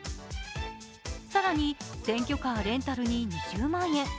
さらに選挙カーレンタルに２０万円。